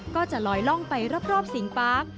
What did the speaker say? ก็จะลอยล่องไปรอบสิงปาร์ค